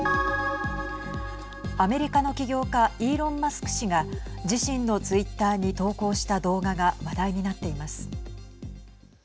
アメリカの起業家イーロン・マスク氏が自身のツイッターに投稿した動画が話題になっています。